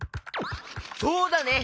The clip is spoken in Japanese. そうだね！